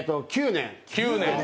９年。